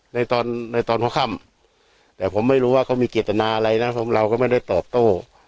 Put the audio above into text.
ในตอนในตอนหัวค่ำแต่ผมไม่รู้ว่าเขามีเจตนาอะไรนะเราก็ไม่ได้ตอบโต้